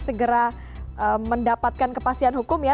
segera mendapatkan kepastian hukum ya